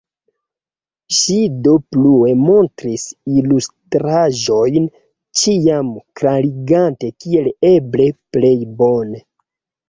Ŝi do plue montris ilustraĵojn, ĉiam klarigante kiel eble plej bone.